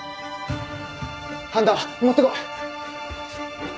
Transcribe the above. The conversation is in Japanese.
半田持ってこい！